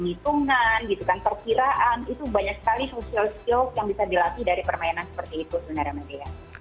hitungan gitu kan perkiraan itu banyak sekali social skills yang bisa dilatih dari permainan seperti itu sebenarnya mbak dea